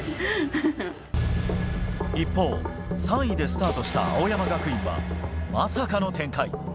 一方、３位でスタートした青山学院は、まさかの展開。